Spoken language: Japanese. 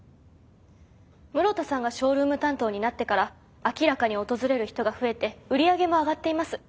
室田さんがショールーム担当になってから明らかに訪れる人が増えて売り上げも上がっています。